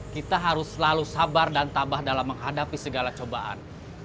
kita harus selalu sabar dan tabah dalam menghadapi segala cobaan